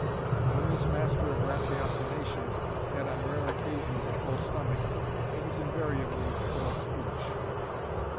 And when this master of ratiocination had on rare occasions a full stomach it was invariably full of "hooch."